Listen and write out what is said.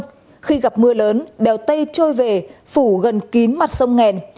sau đó khi gặp mưa lớn bèo tây trôi về phủ gần kín mặt sông nghèn